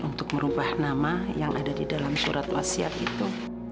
untuk merubah nama yang ada di dalam surat wasiat itu